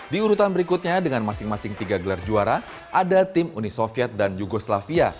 di urutan berikutnya dengan masing masing tiga gelar juara ada tim uni soviet dan yugoslavia